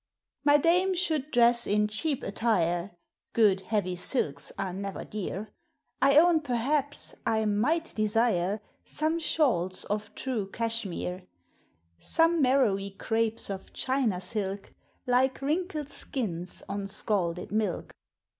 My dame should dress in cheap attire ; (Good heavy silks are never dear;) — I own perhaps I might desire Some shawls of true Cashmere, — Some marrowy crapes of China silk, Like wrinkled skins on scalded milk.